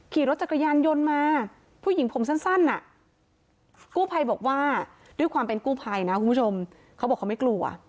ขี่รถจักรยานยนต์มาผู้หญิงผมสั้นน่ะ